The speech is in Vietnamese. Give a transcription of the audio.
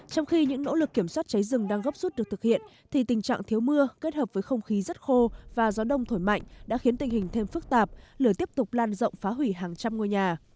trong khi những nỗ lực kiểm soát cháy rừng đang gấp rút được thực hiện thì tình trạng thiếu mưa kết hợp với không khí rất khô và gió đông thổi mạnh đã khiến tình hình thêm phức tạp lửa tiếp tục lan rộng phá hủy hàng trăm ngôi nhà